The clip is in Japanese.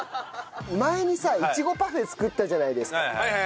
前にさイチゴパフェ作ったじゃないですか。